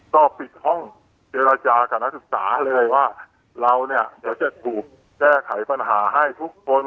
ก็ปิดห้องเจรจากับนักศึกษาเลยว่าเราเนี่ยเดี๋ยวจะถูกแก้ไขปัญหาให้ทุกคน